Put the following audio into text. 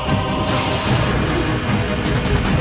sang penguasa kerajaan penyelidikan